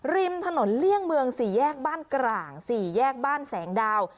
ริมถนนเลี่ยงเมือง๔แยกบ้านกร่าง๔แยกบ้านแสงดาว